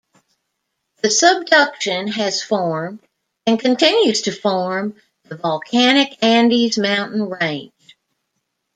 The subduction has formed, and continues to form, the volcanic Andes Mountain Range.